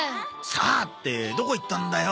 「さあ？」ってどこ行ったんだよ？